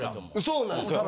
そうなんすよ